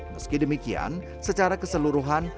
meski demikian secara keseluruhan